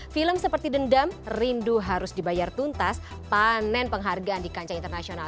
film seperti dendam rindu harus dibayar tuntas panen penghargaan di kancah internasional